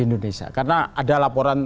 indonesia karena ada laporan